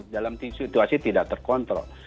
dalam situasi tidak terkontrol